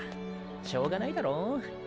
しょうがないだろ。